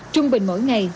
trung bình mỗi ngày